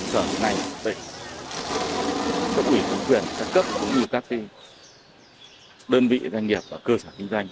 sở hữu ngành tỉnh các quỷ thống quyền các cấp các đơn vị doanh nghiệp và cơ sở kinh doanh